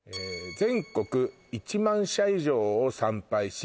「全国１００００社以上を参拝し」